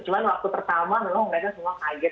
cuman waktu pertama mereka semua kaget